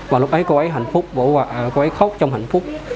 và lúc ấy cô ấy hạnh phúc cô ấy khóc trong hạnh phúc